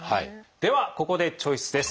ではここでチョイスです。